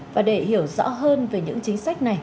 và để hiểu rõ hơn về những chính sách này